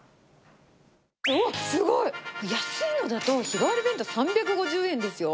あっ、すごい。安いのだと、日替わり弁当、３５０円ですよ。